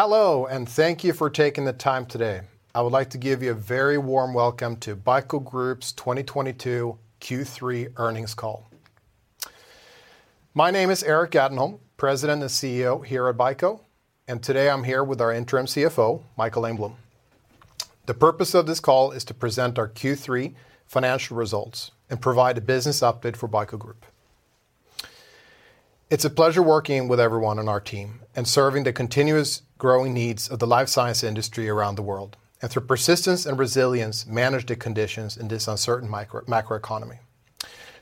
Hello, and thank you for taking the time today. I would like to give you a very warm welcome to BICO Group's 2022 Q3 earnings call. My name is Erik Gatenholm, president and CEO here at BICO, and today I'm here with our interim CFO, Mikael Engblom. The purpose of this call is to present our Q3 financial results and provide a business update for BICO Group. It's a pleasure working with everyone on our team and serving the continuously growing needs of the life science industry around the world, and through persistence and resilience manage the conditions in this uncertain macroeconomy.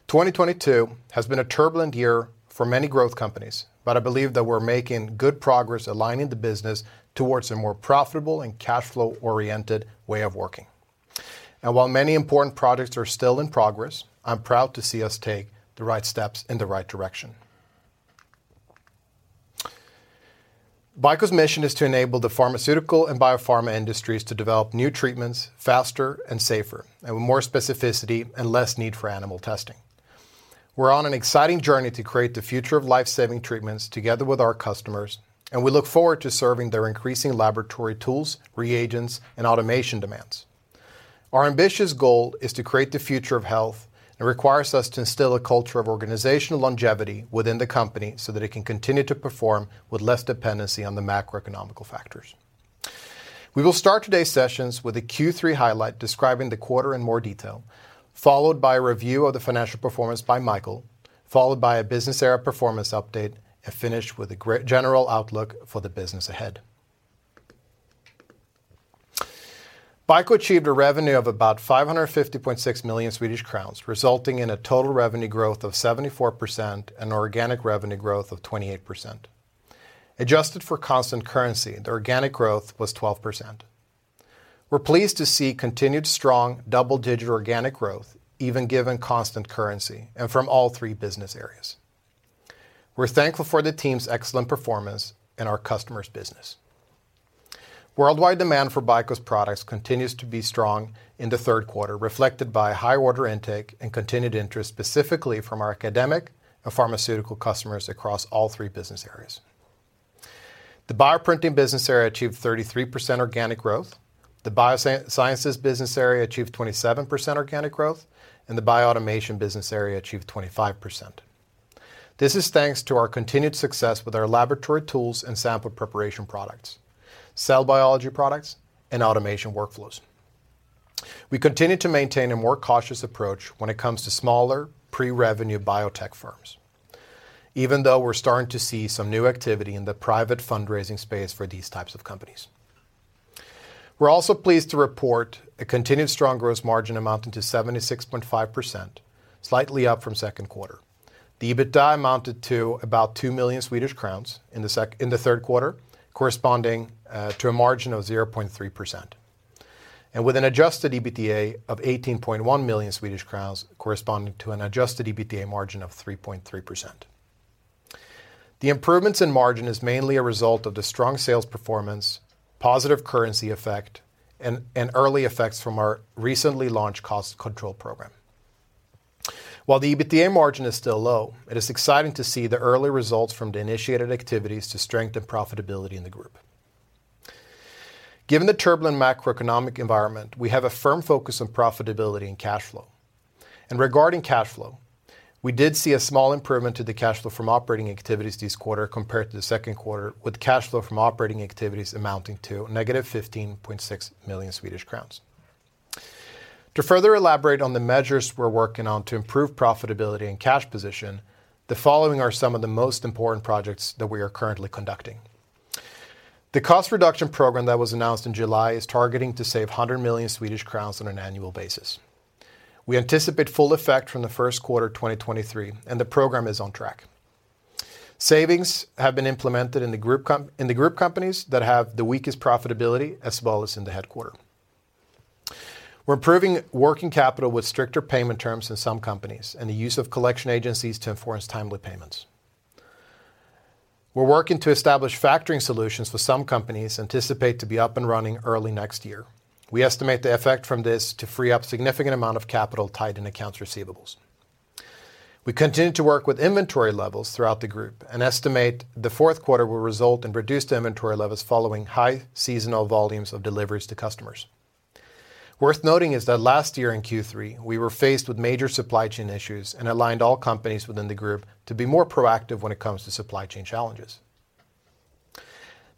2022 has been a turbulent year for many growth companies, but I believe that we're making good progress aligning the business towards a more profitable and cash flow-oriented way of working. While many important projects are still in progress, I'm proud to see us take the right steps in the right direction. BICO's mission is to enable the pharmaceutical and biopharma industries to develop new treatments faster and safer, and with more specificity and less need for animal testing. We're on an exciting journey to create the future of life-saving treatments together with our customers, and we look forward to serving their increasing laboratory tools, reagents, and automation demands. Our ambitious goal is to create the future of health and requires us to instill a culture of organizational longevity within the company, so that it can continue to perform with less dependency on the macroeconomic factors. We will start today's sessions with a Q3 highlight describing the quarter in more detail, followed by a review of the financial performance by Mikael, followed by a business area performance update, and finish with a general outlook for the business ahead. BICO achieved a revenue of about 550.6 million Swedish crowns, resulting in a total revenue growth of 74% and organic revenue growth of 28%. Adjusted for constant currency, the organic growth was 12%. We're pleased to see continued strong double-digit organic growth, even given constant currency, and from all three business areas. We're thankful for the team's excellent performance and our customers' business. Worldwide demand for BICO's products continues to be strong in the third quarter, reflected by high order intake and continued interest specifically from our academic and pharmaceutical customers across all three business areas. The Bioprinting business area achieved 33% organic growth, the Biosciences business area achieved 27% organic growth, and the Bioautomation business area achieved 25%. This is thanks to our continued success with our laboratory tools and sample preparation products, cell biology products, and automation workflows. We continue to maintain a more cautious approach when it comes to smaller pre-revenue biotech firms, even though we're starting to see some new activity in the private fundraising space for these types of companies. We're also pleased to report a continued strong gross margin amounting to 76.5%, slightly up from second quarter. The EBITDA amounted to about 2 million Swedish crowns in the third quarter, corresponding to a margin of 0.3%, and with an adjusted EBITDA of 18.1 million Swedish crowns corresponding to an adjusted EBITDA margin of 3.3%. The improvements in margin is mainly a result of the strong sales performance, positive currency effect, and early effects from our recently launched cost control program. While the EBITDA margin is still low, it is exciting to see the early results from the initiated activities to strengthen profitability in the group. Given the turbulent macroeconomic environment, we have a firm focus on profitability and cash flow. Regarding cash flow, we did see a small improvement to the cash flow from operating activities this quarter compared to the second quarter, with cash flow from operating activities amounting to negative 15.6 million Swedish crowns. To further elaborate on the measures we're working on to improve profitability and cash position, the following are some of the most important projects that we are currently conducting. The cost reduction program that was announced in July is targeting to save 100 million Swedish crowns on an annual basis. We anticipate full effect from the first quarter 2023, and the program is on track. Savings have been implemented in the group companies that have the weakest profitability, as well as in the headquarters. We're improving working capital with stricter payment terms in some companies and the use of collection agencies to enforce timely payments. We're working to establish factoring solutions for some companies. We anticipate to be up and running early next year. We estimate the effect from this to free up significant amount of capital tied in accounts receivable. We continue to work with inventory levels throughout the group and estimate the fourth quarter will result in reduced inventory levels following high seasonal volumes of deliveries to customers. Worth noting is that last year in Q3, we were faced with major supply chain issues and aligned all companies within the group to be more proactive when it comes to supply chain challenges.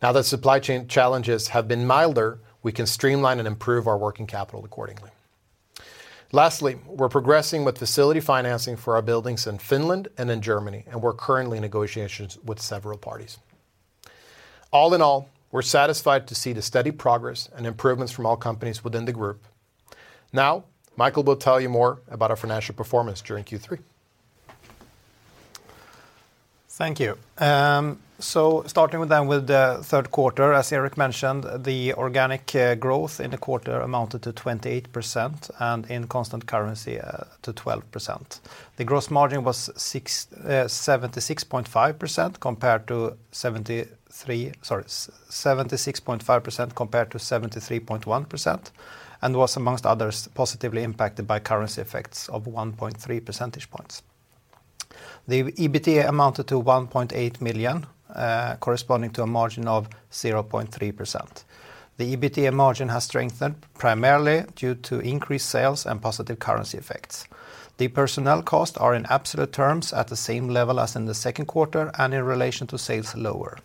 Now that supply chain challenges have been milder, we can streamline and improve our working capital accordingly. Lastly, we're progressing with facility financing for our buildings in Finland and in Germany, and we're currently in negotiations with several parties. All in all, we're satisfied to see the steady progress and improvements from all companies within the group. Now, Mikael will tell you more about our financial performance during Q3. Thank you. Starting with the third quarter, as Erik mentioned, the organic growth in the quarter amounted to 28% and in constant currency to 12%. The gross margin was 76.5% compared to 73.1%, and was, among others, positively impacted by currency effects of 1.3 percentage points. The EBITDA amounted to 1.8 million, corresponding to a margin of 0.3%. The EBITDA margin has strengthened primarily due to increased sales and positive currency effects. The personnel costs are in absolute terms at the same level as in the second quarter, and in relation to sales lower.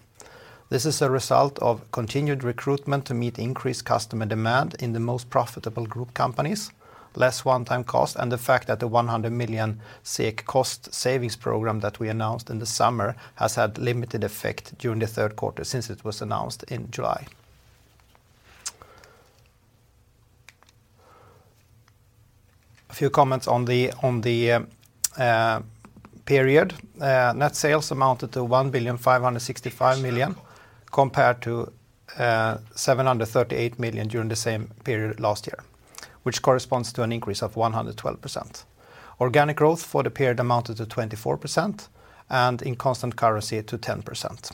This is a result of continued recruitment to meet increased customer demand in the most profitable group companies, less one-time costs, and the fact that the 100 million cost savings program that we announced in the summer has had limited effect during the third quarter since it was announced in July. A few comments on the period. Net sales amounted to 1,565 million compared to 738 million during the same period last year, which corresponds to an increase of 112%. Organic growth for the period amounted to 24% and in constant currency to 10%.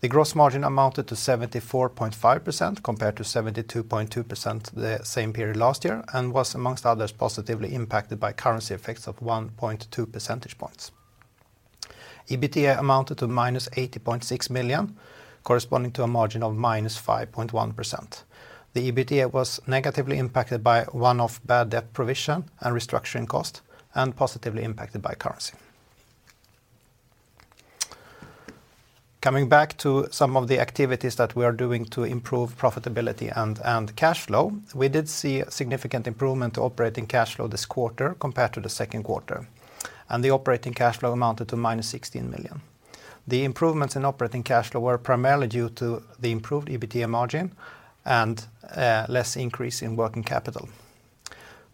The gross margin amounted to 74.5% compared to 72.2% the same period last year, and was among others positively impacted by currency effects of 1.2 percentage points. EBITA amounted to -80.6 million, corresponding to a margin of -5.1%. The EBITA was negatively impacted by one-off bad debt provision and restructuring cost, and positively impacted by currency. Coming back to some of the activities that we are doing to improve profitability and cash flow, we did see a significant improvement to operating cash flow this quarter compared to the second quarter, and the operating cash flow amounted to -16 million. The improvements in operating cash flow were primarily due to the improved EBITA margin and less increase in working capital.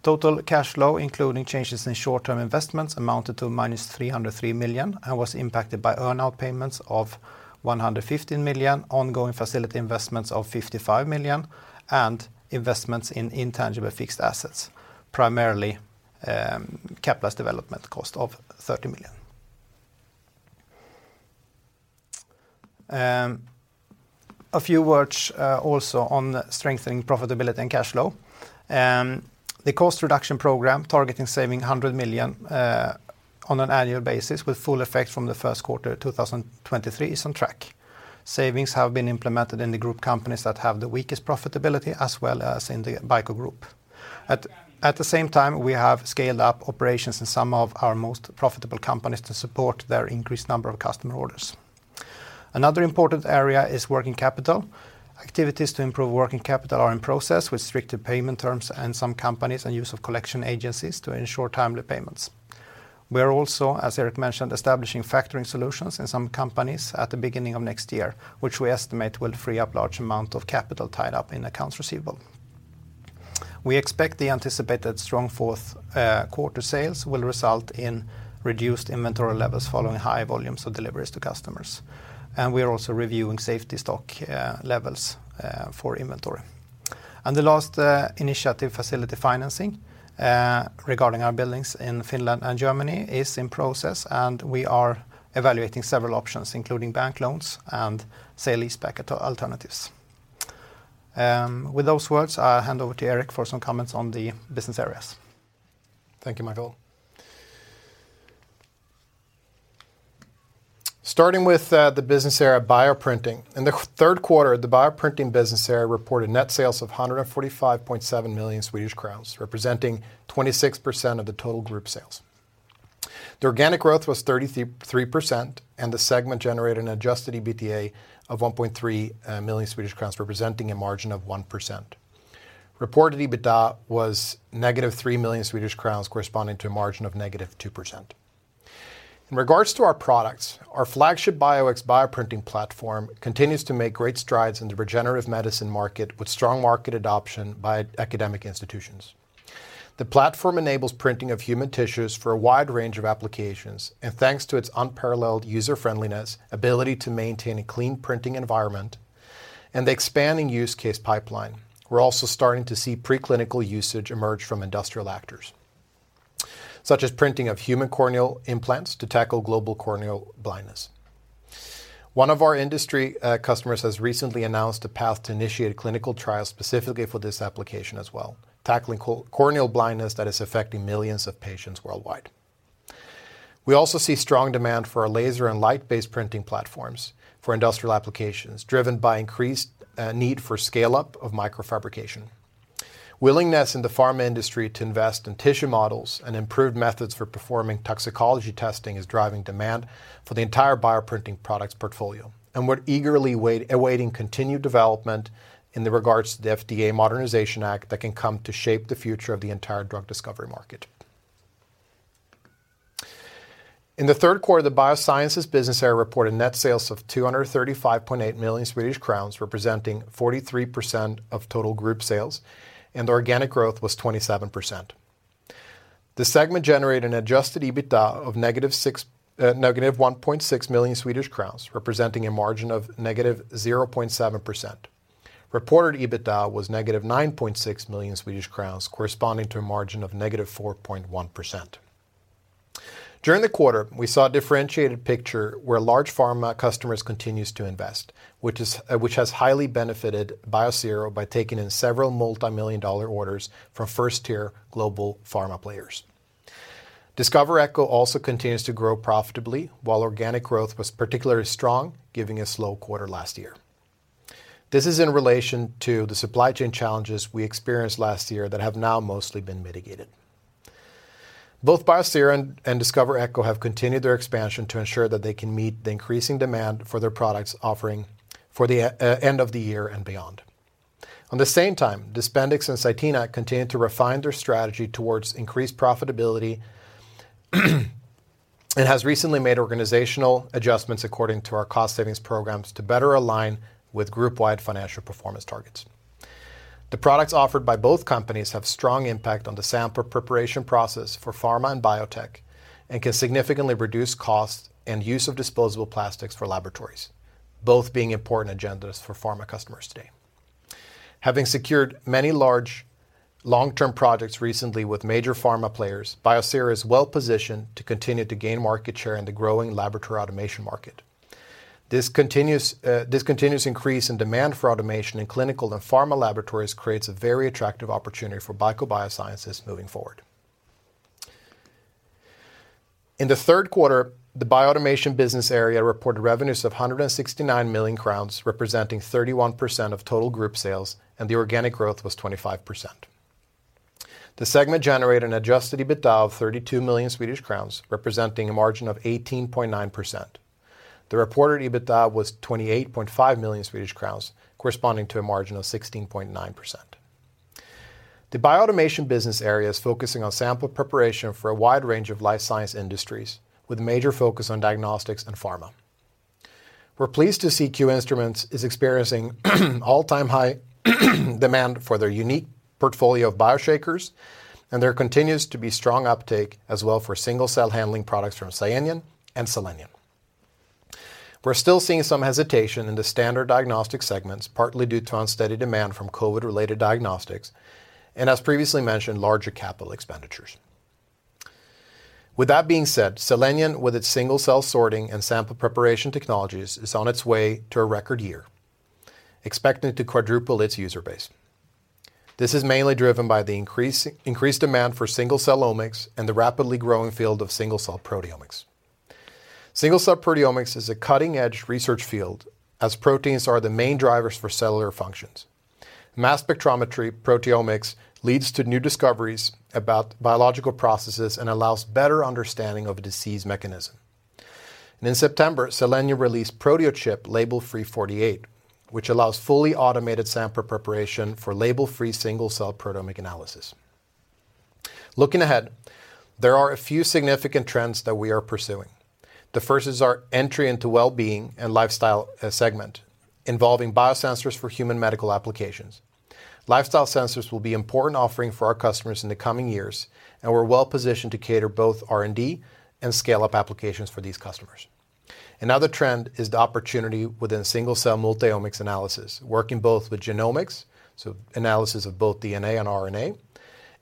Total cash flow, including changes in short-term investments, amounted to -303 million and was impacted by earn-out payments of 115 million, ongoing facility investments of 55 million, and investments in intangible fixed assets, primarily CapEx development cost of SEK 30 million. A few words also on strengthening profitability and cash flow. The cost reduction program targeting saving 100 million on an annual basis with full effect from the first quarter 2023 is on track. Savings have been implemented in the group companies that have the weakest profitability as well as in the BICO Group. At the same time, we have scaled up operations in some of our most profitable companies to support their increased number of customer orders. Another important area is working capital. Activities to improve working capital are in process with stricter payment terms in some companies and use of collection agencies to ensure timely payments. We are also, as Erik mentioned, establishing factoring solutions in some companies at the beginning of next year, which we estimate will free up large amount of capital tied up in accounts receivable. We expect the anticipated strong fourth quarter sales will result in reduced inventory levels following high volumes of deliveries to customers, and we are also reviewing safety stock levels for inventory. The last initiative facility financing regarding our buildings in Finland and Germany is in process, and we are evaluating several options, including bank loans and sale leaseback alternatives. With those words, I'll hand over to Erik for some comments on the business areas. Thank you, Mikael. Starting with the business area Bioprinting. In the third quarter, the Bioprinting business area reported net sales of 145.7 million Swedish crowns, representing 26% of the total group sales. The organic growth was 33%, and the segment generated an adjusted EBITA of 1.3 million Swedish crowns, representing a margin of 1%. Reported EBITDA was negative 3 million Swedish crowns, corresponding to a margin of -2%. In regards to our products, our flagship BioX bioprinting platform continues to make great strides in the regenerative medicine market with strong market adoption by academic institutions. The platform enables printing of human tissues for a wide range of applications, and thanks to its unparalleled user-friendliness, ability to maintain a clean printing environment, and the expanding use case pipeline, we're also starting to see preclinical usage emerge from industrial actors, such as printing of human corneal implants to tackle global corneal blindness. One of our industry customers has recently announced a path to initiate a clinical trial specifically for this application as well, tackling corneal blindness that is affecting millions of patients worldwide. We also see strong demand for our laser and light-based printing platforms for industrial applications, driven by increased need for scale-up of microfabrication. Willingness in the pharma industry to invest in tissue models and improved methods for performing toxicology testing is driving demand for the entire bioprinting products portfolio, and we're eagerly awaiting continued development in regards to the FDA Modernization Act that can come to shape the future of the entire drug discovery market. In the third quarter, the Biosciences business area reported net sales of 235.8 million Swedish crowns, representing 43% of total group sales, and organic growth was 27%. The segment generated an adjusted EBITDA of -1.6 million Swedish crowns, representing a margin of -0.7%. Reported EBITDA was -9.6 million Swedish crowns, corresponding to a margin of -4.1%. During the quarter, we saw a differentiated picture where large pharma customers continues to invest, which has highly benefited Biosero by taking in several $ multimillion-dollar orders from first-tier global pharma players. Discover Echo also continues to grow profitably, while organic growth was particularly strong, giving a slow quarter last year. This is in relation to the supply chain challenges we experienced last year that have now mostly been mitigated. Both Biosero and Discover Echo have continued their expansion to ensure that they can meet the increasing demand for their product offerings for the end of the year and beyond. At the same time, Dispendix and Cytena continue to refine their strategy towards increased profitability and has recently made organizational adjustments according to our cost savings programs to better align with group-wide financial performance targets. The products offered by both companies have strong impact on the sample preparation process for pharma and biotech and can significantly reduce cost and use of disposable plastics for laboratories, both being important agendas for pharma customers today. Having secured many large long-term projects recently with major pharma players, Biosero is well positioned to continue to gain market share in the growing laboratory automation market. This continuous increase in demand for automation in clinical and pharma laboratories creates a very attractive opportunity for BICO moving forward. In the third quarter, the Bioautomation business area reported revenues of 169 million crowns, representing 31% of total group sales, and the organic growth was 25%. The segment generated an adjusted EBITDA of 32 million Swedish crowns, representing a margin of 18.9%. The reported EBITDA was 28.5 million Swedish crowns, corresponding to a margin of 16.9%. The Bioautomation business area is focusing on sample preparation for a wide range of life science industries, with a major focus on diagnostics and pharma. We're pleased to see QInstruments is experiencing all-time high demand for their unique portfolio of BioShakers, and there continues to be strong uptake as well for single-cell handling products from Cytena and Cellenion. We're still seeing some hesitation in the standard diagnostic segments, partly due to unsteady demand from COVID-related diagnostics and, as previously mentioned, larger capital expenditures. With that being said, Cellenion, with its single-cell sorting and sample preparation technologies, is on its way to a record year, expecting to quadruple its user base. This is mainly driven by increased demand for single-cell omics and the rapidly growing field of single-cell proteomics. Single-cell proteomics is a cutting-edge research field as proteins are the main drivers for cellular functions. Mass spectrometry proteomics leads to new discoveries about biological processes and allows better understanding of a disease mechanism. In September, Cellenion released proteoCHIP Label-Free 48, which allows fully automated sample preparation for label-free single-cell proteomic analysis. Looking ahead, there are a few significant trends that we are pursuing. The first is our entry into well-being and lifestyle segment involving biosensors for human medical applications. Lifestyle sensors will be important offering for our customers in the coming years, and we're well positioned to cater both R&D and scale-up applications for these customers. Another trend is the opportunity within single-cell multi-omics analysis, working both with genomics, so analysis of both DNA and RNA,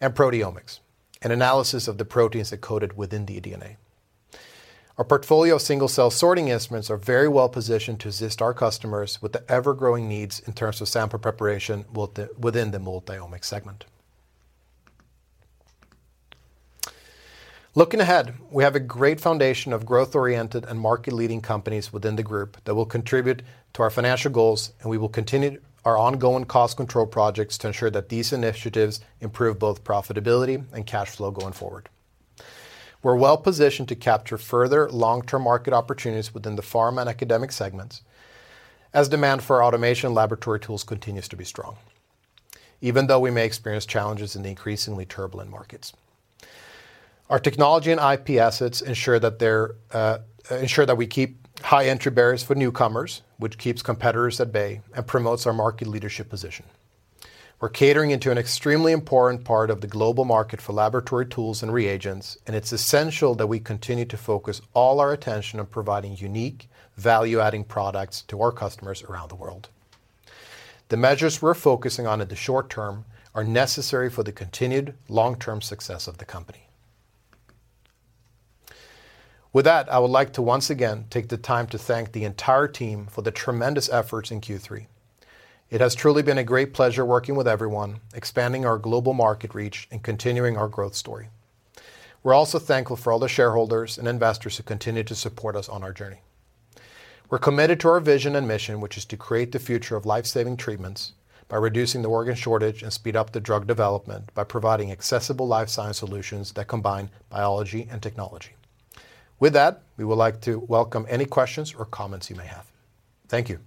and proteomics, an analysis of the proteins encoded within the DNA. Our portfolio of single-cell sorting instruments are very well positioned to assist our customers with the ever-growing needs in terms of sample preparation within the multi-omics segment. Looking ahead, we have a great foundation of growth-oriented and market-leading companies within the group that will contribute to our financial goals, and we will continue our ongoing cost control projects to ensure that these initiatives improve both profitability and cash flow going forward. We're well positioned to capture further long-term market opportunities within the pharma and academic segments as demand for automation laboratory tools continues to be strong, even though we may experience challenges in the increasingly turbulent markets. Our technology and IP assets ensure that we keep high entry barriers for newcomers, which keeps competitors at bay and promotes our market leadership position. We're catering to an extremely important part of the global market for laboratory tools and reagents, and it's essential that we continue to focus all our attention on providing unique, value-adding products to our customers around the world. The measures we're focusing on in the short term are necessary for the continued long-term success of the company. With that, I would like to once again take the time to thank the entire team for the tremendous efforts in Q3. It has truly been a great pleasure working with everyone, expanding our global market reach, and continuing our growth story. We're also thankful for all the shareholders and investors who continue to support us on our journey. We're committed to our vision and mission, which is to create the future of life-saving treatments by reducing the organ shortage and speed up the drug development by providing accessible life science solutions that combine biology and technology. With that, we would like to welcome any questions or comments you may have. Thank you.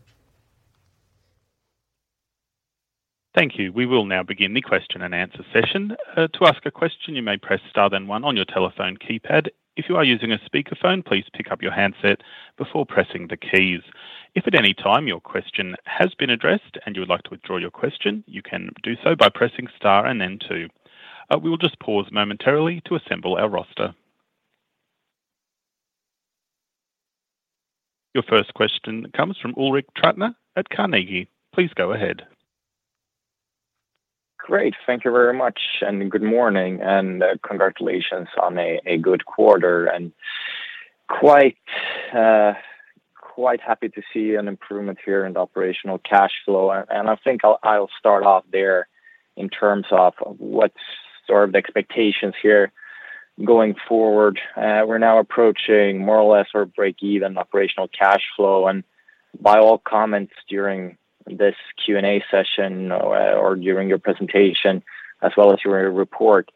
Thank you. We will now begin the question and answer session. To ask a question, you may press star then one on your telephone keypad. If you are using a speakerphone, please pick up your handset before pressing the keys. If at any time your question has been addressed and you would like to withdraw your question, you can do so by pressing star and then two. We will just pause momentarily to assemble our roster. Your first question comes from Ulrik Trattner at Carnegie. Please go ahead. Great. Thank you very much, and good morning, and, congratulations on a good quarter and quite happy to see an improvement here in the operational cash flow. I think I'll start off there in terms of what's sort of the expectations here going forward. We're now approaching more or less break-even operational cash flow. By all comments during this Q&A session or during your presentation as well as your report,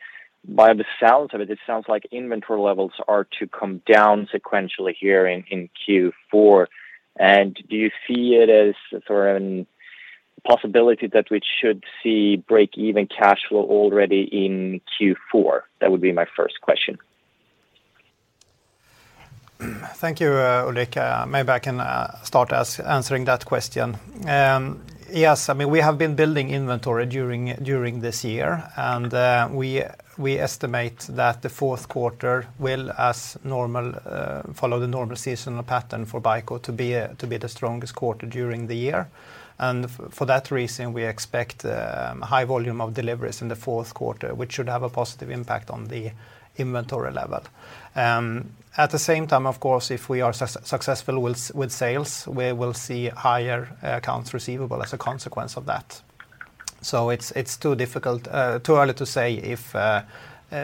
by the sounds of it sounds like inventory levels are to come down sequentially here in Q4. Do you see it as sort of a possibility that we should see break-even cash flow already in Q4? That would be my first question. Thank you, Ulrik. Maybe I can start answering that question. Yes. I mean, we have been building inventory during this year, we estimate that the fourth quarter will, as normal, follow the normal seasonal pattern for BICO to be the strongest quarter during the year. For that reason, we expect high volume of deliveries in the fourth quarter, which should have a positive impact on the inventory level. At the same time, of course, if we are successful with sales, we will see higher accounts receivable as a consequence of that. It's too early to say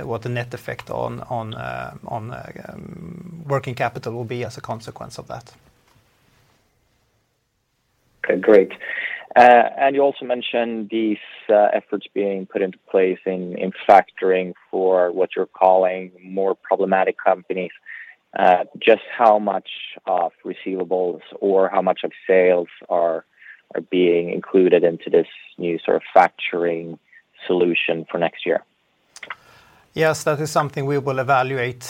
what the net effect on working capital will be as a consequence of that. Okay, great. You also mentioned these efforts being put into place in factoring for what you're calling more problematic companies. Just how much of receivables or how much of sales are being included into this new sort of factoring solution for next year? Yes, that is something we will evaluate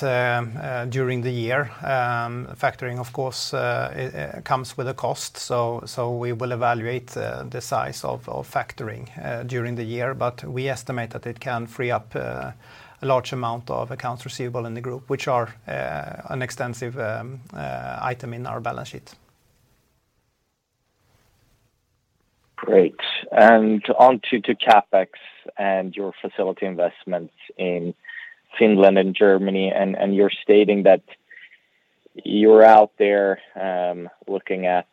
during the year. Factoring, of course, it comes with a cost. We will evaluate the size of factoring during the year. We estimate that it can free up a large amount of accounts receivable in the group, which are an extensive item in our balance sheet. Great. On to CapEx and your facility investments in Finland and Germany, and you're stating that you're out there looking at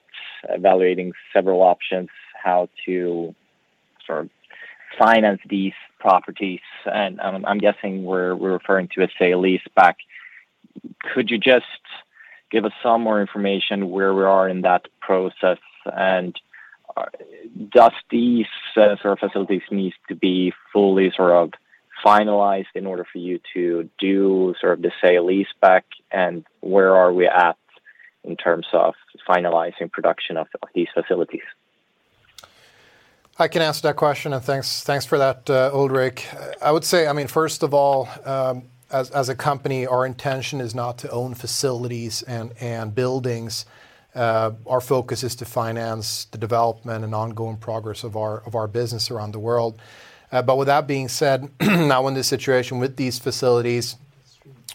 evaluating several options, how to sort of finance these properties. I'm guessing we're referring to a sale-leaseback. Could you just give us some more information where we are in that process? Does these sort of facilities needs to be fully sort of finalized in order for you to do sort of the sale-leaseback, and where are we at in terms of finalizing production of these facilities? I can answer that question. Thanks for that, Ulrik. I would say, I mean, first of all, as a company, our intention is not to own facilities and buildings. Our focus is to finance the development and ongoing progress of our business around the world. With that being said, now in this situation with these facilities,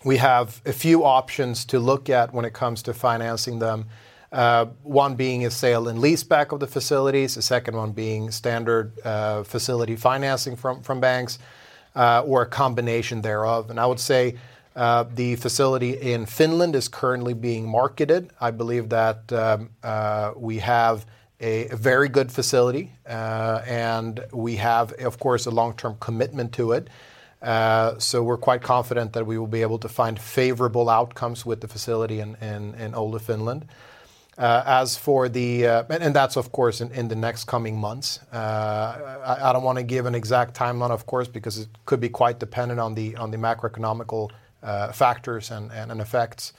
we have a few options to look at when it comes to financing them. One being a sale and lease back of the facilities, the second one being standard facility financing from banks, or a combination thereof. I would say the facility in Finland is currently being marketed. I believe that we have a very good facility, and we have, of course, a long-term commitment to it. We're quite confident that we will be able to find favorable outcomes with the facility in Oulu, Finland. As for the, that's of course, in the next coming months. I don't want to give an exact timeline, of course, because it could be quite dependent on the macroeconomic factors and effects.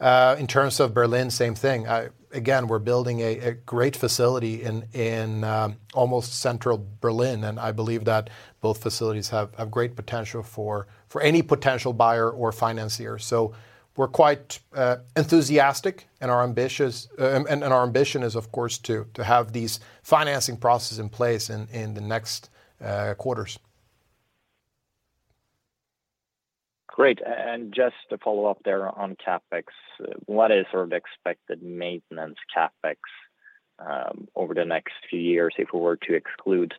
In terms of Berlin, same thing. Again, we're building a great facility in almost central Berlin, and I believe that both facilities have great potential for any potential buyer or financier. We're quite enthusiastic, and our ambition is, of course, to have these financing processes in place in the next quarters. Great. Just to follow up there on CapEx, what is sort of expected maintenance CapEx over the next few years, if we were to exclude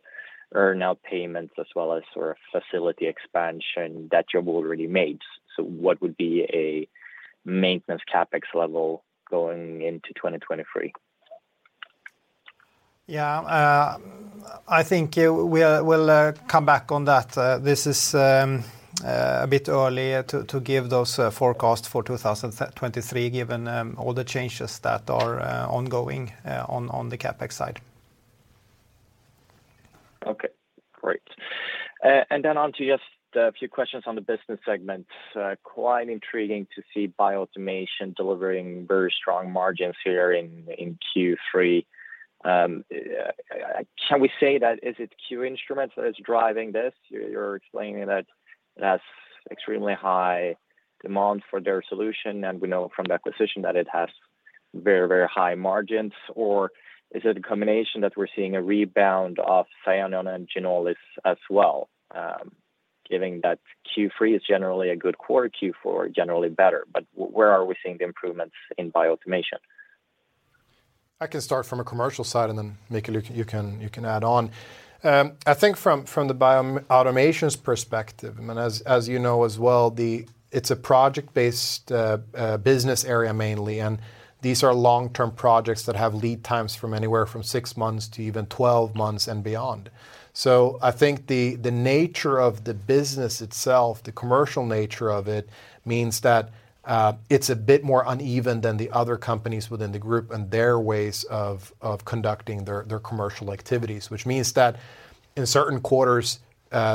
earnout payments as well as sort of facility expansion that you have already made? What would be a maintenance CapEx level going into 2023? Yeah. I think we'll come back on that. This is a bit early to give those forecasts for 2023, given all the changes that are ongoing on the CapEx side. Okay, great. On to just a few questions on the business segment. Quite intriguing to see Bioautomation delivering very strong margins here in Q3. Can we say that? Is it QInstruments that is driving this? You're explaining that it has extremely high demand for their solution, and we know from the acquisition that it has very high margins. Or is it a combination that we're seeing a rebound of Cellenion and Ginolis as well? Given that Q3 is generally a good quarter, Q4 generally better, where are we seeing the improvements in Bioautomation? I can start from a commercial side, and then Mikael, you can add on. I think from the Bioautomation's perspective, I mean as you know as well, it's a project-based business area mainly, and these are long-term projects that have lead times from anywhere from 6 months to even 12 months and beyond. I think the nature of the business itself, the commercial nature of it means that it's a bit more uneven than the other companies within the group and their ways of conducting their commercial activities. Which means that in certain quarters,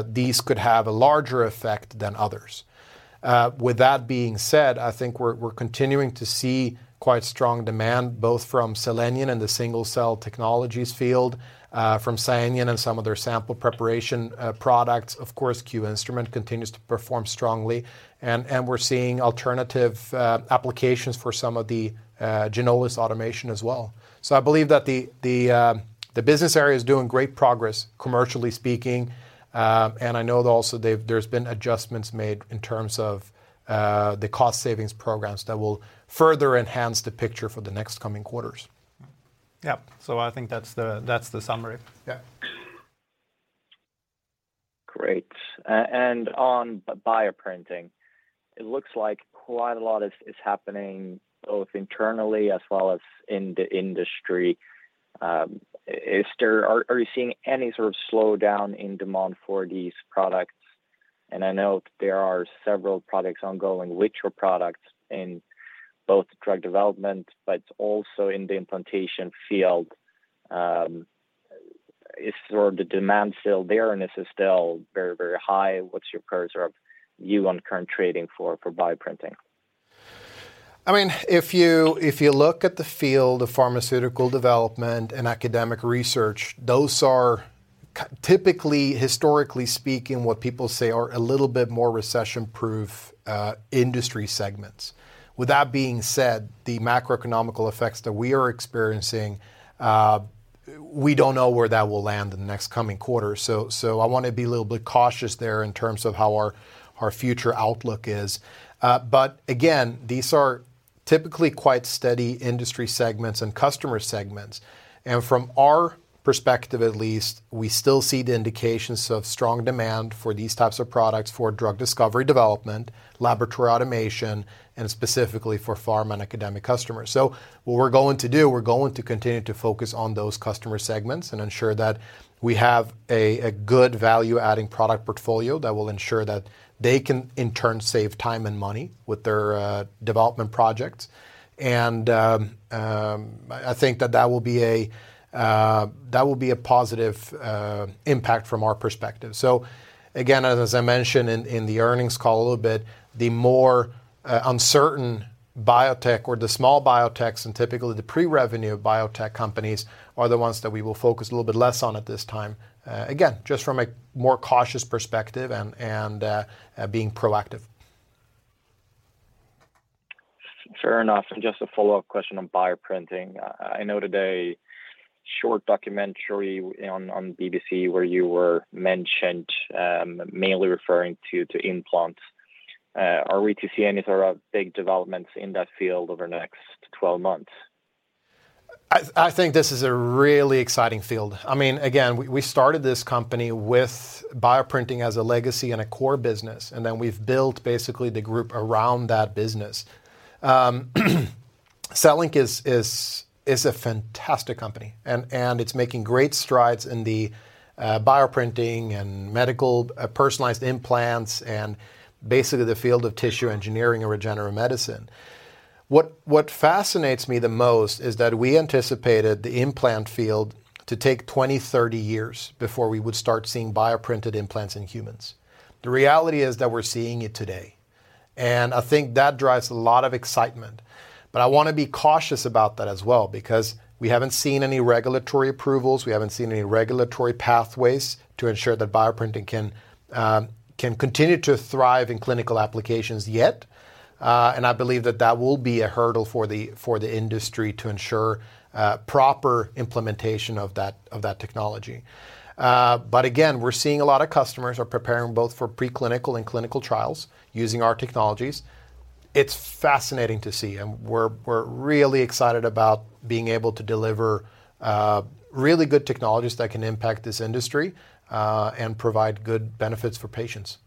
these could have a larger effect than others. With that being said, I think we're continuing to see quite strong demand both from Cellenion and the single-cell technologies field, from Cytena and some of their sample preparation products. Of course, QInstruments continues to perform strongly, and we're seeing alternative applications for some of the Ginolis automation as well. I believe that the business area is doing great progress commercially speaking, and I know that also there's been adjustments made in terms of the cost savings programs that will further enhance the picture for the next coming quarters. Yeah. I think that's the summary. Yeah. Great. On bioprinting, it looks like quite a lot is happening both internally as well as in the industry. Are you seeing any sort of slowdown in demand for these products? I know there are several products ongoing, richer products in both drug development, but also in the implantation field. Is the demand still there and is it still very, very high? What's your current view on current trading for bioprinting? I mean, if you look at the field of pharmaceutical development and academic research, those are typically, historically speaking, what people say are a little bit more recession-proof industry segments. With that being said, the macroeconomic effects that we are experiencing, we don't know where that will land in the next coming quarter, so I wanna be a little bit cautious there in terms of how our future outlook is. But again, these are typically quite steady industry segments and customer segments. From our perspective at least, we still see the indications of strong demand for these types of products for drug discovery development, laboratory automation, and specifically for pharma and academic customers. What we're going to do, we're going to continue to focus on those customer segments and ensure that we have a good value-adding product portfolio that will ensure that they can in turn save time and money with their development projects. I think that will be a positive impact from our perspective. Again, as I mentioned in the earnings call a little bit, the more uncertain biotech or the small biotechs and typically the pre-revenue biotech companies are the ones that we will focus a little bit less on at this time, again, just from a more cautious perspective and being proactive. Fair enough. Just a follow-up question on bioprinting. I saw a short documentary today on BBC where you were mentioned, mainly referring to implants. Are we to see any sort of big developments in that field over the next 12 months? I think this is a really exciting field. I mean, again, we started this company with bioprinting as a legacy and a core business, and then we've built basically the group around that business. Cellink is a fantastic company and it's making great strides in the bioprinting and medical personalized implants and basically the field of tissue engineering and regenerative medicine. What fascinates me the most is that we anticipated the implant field to take 20, 30 years before we would start seeing bioprinted implants in humans. The reality is that we're seeing it today, and I think that drives a lot of excitement. But I wanna be cautious about that as well because we haven't seen any regulatory approvals, we haven't seen any regulatory pathways to ensure that bioprinting can continue to thrive in clinical applications yet. I believe that will be a hurdle for the industry to ensure proper implementation of that technology. Again, we're seeing a lot of customers are preparing both for preclinical and clinical trials using our technologies. It's fascinating to see, and we're really excited about being able to deliver really good technologies that can impact this industry and provide good benefits for patients.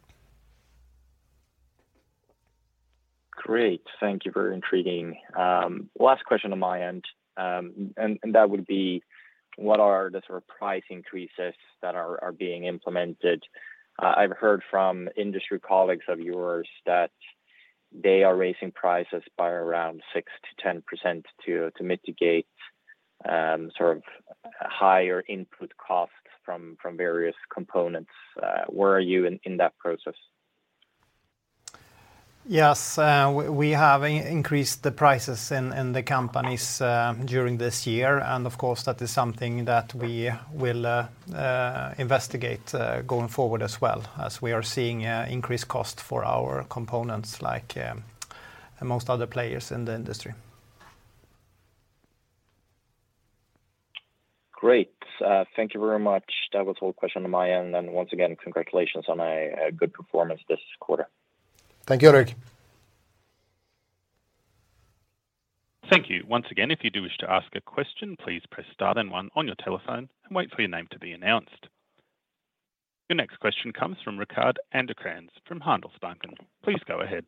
Great. Thank you. Very intriguing. Last question on my end, that would be what are the sort of price increases that are being implemented? I've heard from industry colleagues of yours that they are raising prices by around 6%-10% to mitigate sort of higher input costs from various components. Where are you in that process? Yes, we have increased the prices in the companies during this year, and of course that is something that we will investigate going forward as well as we are seeing increased costs for our components like most other players in the industry. Great. Thank you very much. That was all questions on my end, and once again, congratulations on a good performance this quarter. Thank you, Ulrik. Thank you. Once again, if you do wish to ask a question, please press star then one on your telephone and wait for your name to be announced. Your next question comes from Rickard Anderkrans from Handelsbanken. Please go ahead.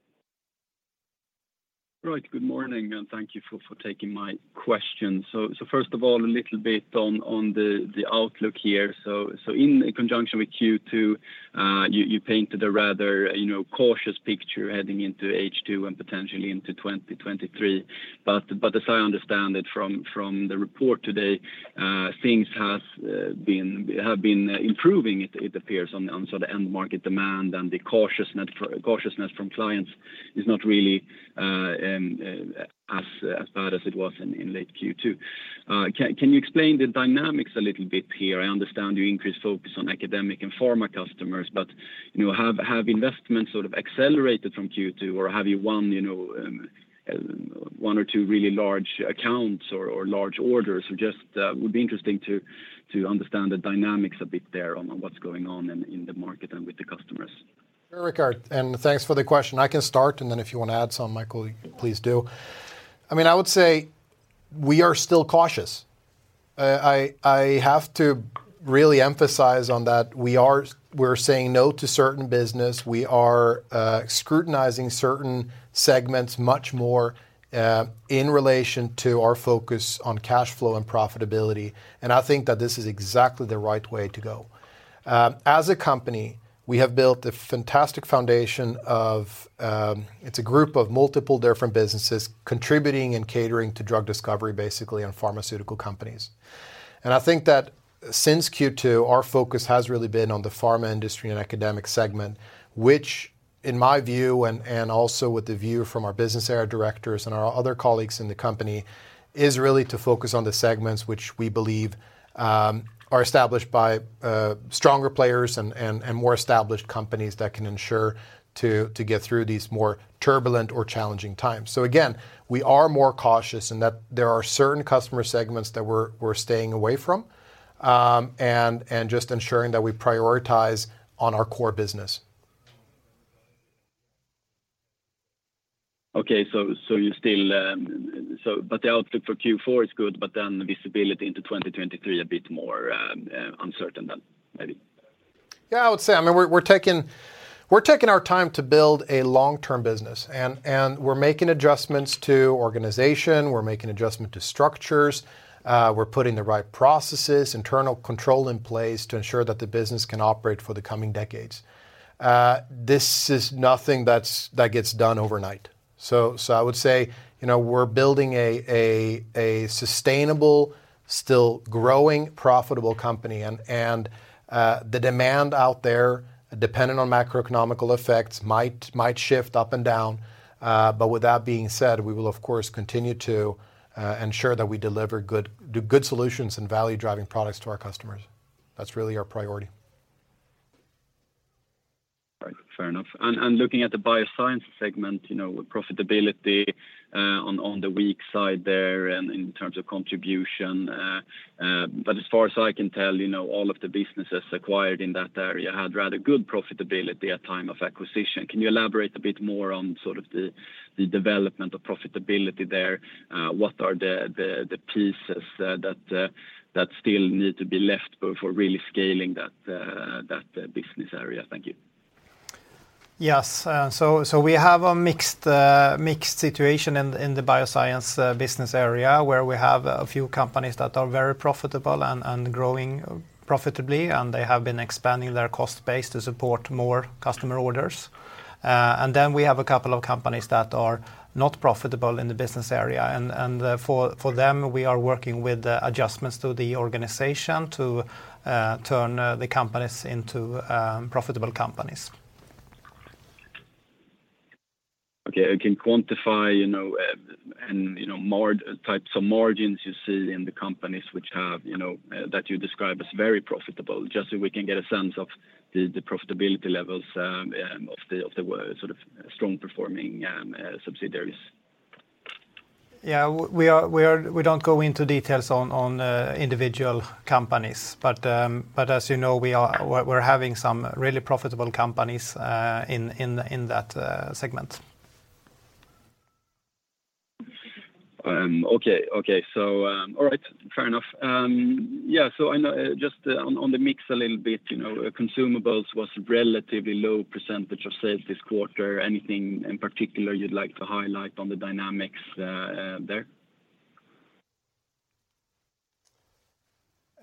Right. Good morning, and thank you for taking my question. First of all, a little bit on the outlook here. In conjunction with Q2, you painted a rather, you know, cautious picture heading into H2 and potentially into 2023. As I understand it from the report today, things have been improving, it appears, on sort of the end market demand and the cautiousness from clients is not really as bad as it was in late Q2. Can you explain the dynamics a little bit here? I understand you increased focus on academic and pharma customers, but, you know, have investments sort of accelerated from Q2, or have you won, you know, one or two really large accounts or large orders? Just would be interesting to understand the dynamics a bit there on what's going on in the market and with the customers. Sure, Rickard, and thanks for the question. I can start, and then if you wanna add some, Mikael, please do. I mean, I would say we are still cautious. I have to really emphasize on that. We are saying no to certain business. We are scrutinizing certain segments much more in relation to our focus on cash flow and profitability, and I think that this is exactly the right way to go. As a company, we have built a fantastic foundation. It's a group of multiple different businesses contributing and catering to drug discovery basically on pharmaceutical companies. I think that since Q2, our focus has really been on the pharma industry and academic segment, which in my view and also with the view from our business area directors and our other colleagues in the company, is really to focus on the segments which we believe are established by stronger players and more established companies that can ensure to get through these more turbulent or challenging times. Again, we are more cautious in that there are certain customer segments that we're staying away from and just ensuring that we prioritize on our core business. Okay. You still, so but the outlook for Q4 is good, but then the visibility into 2023 a bit more uncertain, then maybe. Yeah, I would say, I mean, we're taking our time to build a long-term business and we're making adjustments to organization. We're making adjustment to structures. We're putting the right processes, internal control in place to ensure that the business can operate for the coming decades. This is nothing that gets done overnight. I would say, you know, we're building a sustainable, still growing, profitable company and the demand out there dependent on macroeconomic effects might shift up and down. But with that being said, we will of course continue to ensure that we deliver good, the good solutions and value-driving products to our customers. That's really our priority. Right. Fair enough. Looking at the Biosciences segment, you know, profitability on the weak side there in terms of contribution. As far as I can tell, you know, all of the businesses acquired in that area had rather good profitability at time of acquisition. Can you elaborate a bit more on sort of the development of profitability there? What are the pieces that still need to be left for really scaling that business area? Thank you. Yes. We have a mixed situation in the Biosciences business area, where we have a few companies that are very profitable and growing profitably, and they have been expanding their cost base to support more customer orders. We have a couple of companies that are not profitable in the business area. For them, we are working with adjustments to the organization to turn the companies into profitable companies.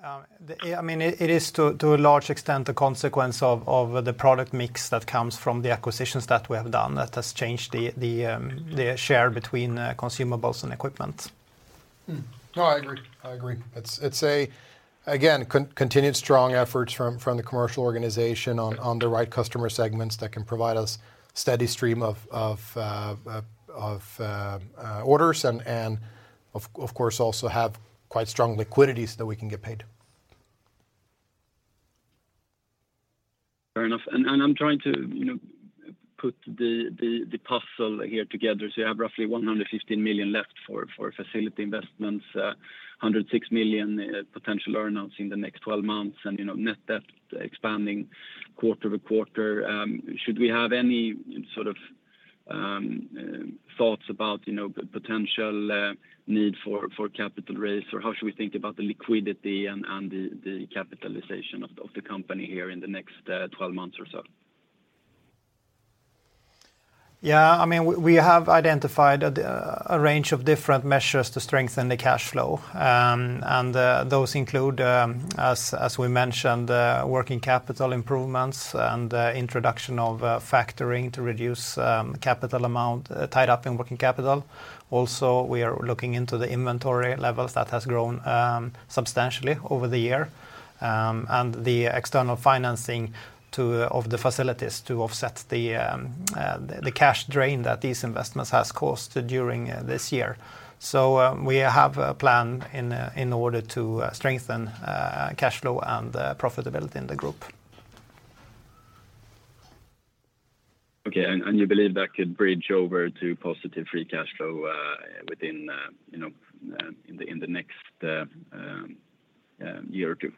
I mean, it is to a large extent the consequence of the product mix that comes from the acquisitions that we have done that has changed the share between consumables and equipment. I agree. It's again continued strong efforts from the commercial organization on the right customer segments that can provide us steady stream of orders and of course also have quite strong liquidity so that we can get paid. Fair enough. I'm trying to, you know, put the puzzle here together. You have roughly 115 million left for facility investments, 106 million potential earn outs in the next 12 months and, you know, net debt expanding quarter-over-quarter. Should we have any sort of thoughts about, you know, the potential need for capital raise? Or how should we think about the liquidity and the capitalization of the company here in the next 12 months or so? Yeah, I mean, we have identified a range of different measures to strengthen the cash flow. Those include, as we mentioned, working capital improvements and introduction of factoring to reduce capital amount tied up in working capital. Also, we are looking into the inventory levels that has grown substantially over the year. The external financing of the facilities to offset the cash drain that these investments has caused during this year. We have a plan in order to strengthen cash flow and profitability in the group. Okay. You believe that could bridge over to positive free cash flow, you know, in the next year or two?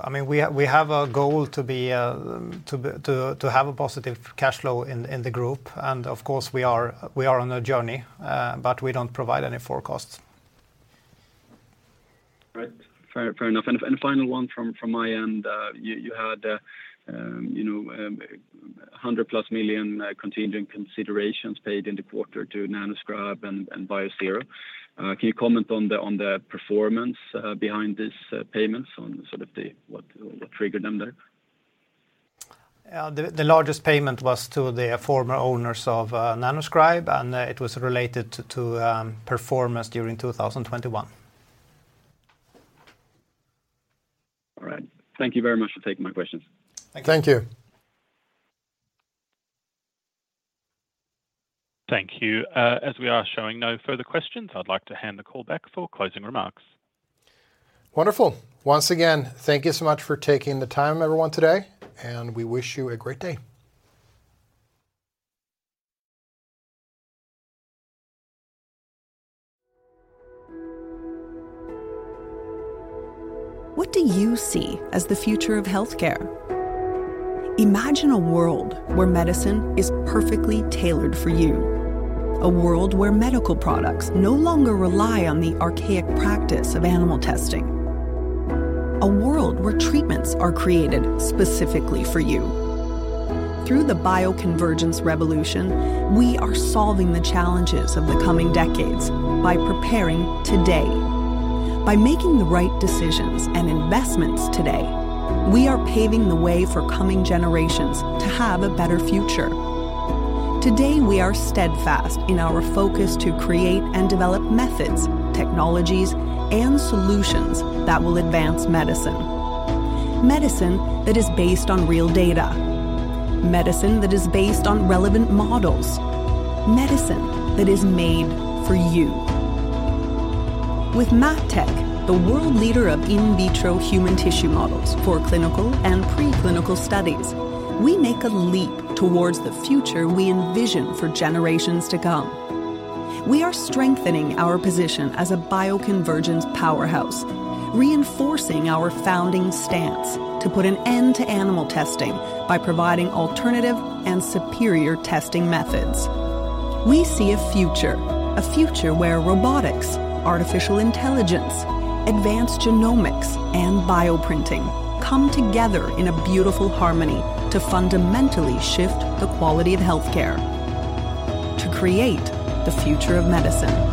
I mean, we have a goal to have a positive cash flow in the group. Of course we are on a journey, but we don't provide any forecasts. Right. Fair enough. Final one from my end. You had 100+ million contingent considerations paid in the quarter to Nanoscribe and Biosero. Can you comment on the performance behind these payments, sort of what triggered them there? The largest payment was to the former owners of Nanoscribe, and it was related to performance during 2021. All right. Thank you very much for taking my questions. Thank you. Thank you. As we are showing no further questions, I'd like to hand the call back for closing remarks. Wonderful. Once again, thank you so much for taking the time, everyone, today, and we wish you a great day. What do you see as the future of healthcare? Imagine a world where medicine is perfectly tailored for you. A world where medical products no longer rely on the archaic practice of animal testing. A world where treatments are created specifically for you. Through the bioconvergence revolution, we are solving the challenges of the coming decades by preparing today. By making the right decisions and investments today, we are paving the way for coming generations to have a better future. Today, we are steadfast in our focus to create and develop methods, technologies, and solutions that will advance medicine that is based on real data, medicine that is based on relevant models, medicine that is made for you. With Mattek, the world leader of in vitro human tissue models for clinical and preclinical studies, we make a leap towards the future we envision for generations to come. We are strengthening our position as a bioconvergence powerhouse, reinforcing our founding stance to put an end to animal testing by providing alternative and superior testing methods. We see a future, a future where robotics, artificial intelligence, advanced genomics, and bioprinting come together in a beautiful harmony to fundamentally shift the quality of healthcare to create the future of medicine.